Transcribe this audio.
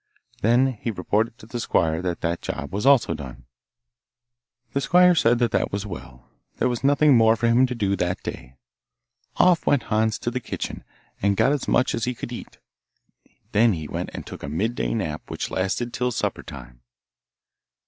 Then he reported to the squire that that job also was done. The squire said that that was well; there was nothing more for him to do that day. Off went Hans to the kitchen, and got as much as he could eat; then he went and took a midday nap which lasted till supper time.